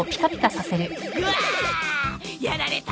ぐわあ！やられた！